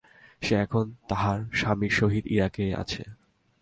সে এখন তাহার স্বামীর সহিত ইরাকে আছে।